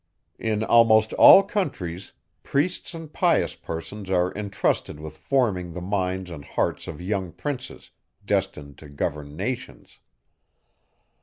In almost all countries, priests and pious persons are intrusted with forming the minds and hearts of young princes, destined to govern nations.